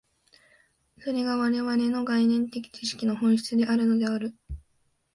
それが我々の概念的知識の本質であるのである。